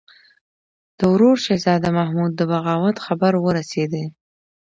د ورور شهزاده محمود د بغاوت خبر ورسېدی.